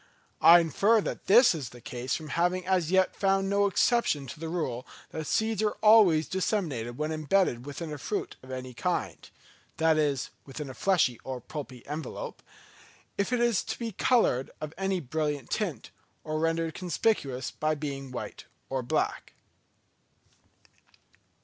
I infer that this is the case from having as yet found no exception to the rule that seeds are always thus disseminated when embedded within a fruit of any kind (that is within a fleshy or pulpy envelope), if it be coloured of any brilliant tint, or rendered conspicuous by being white or black.